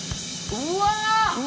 うわ！